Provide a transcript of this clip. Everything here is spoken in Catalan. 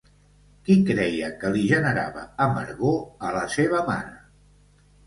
Qui creia que li generava amargor, a la seva mare?